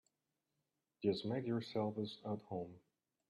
Just make yourselves at home.